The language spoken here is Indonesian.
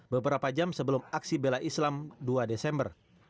beberapa jam sebelum aksi bela islam dua desember